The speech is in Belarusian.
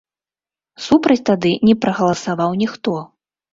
Супраць тады не прагаласаваў ніхто.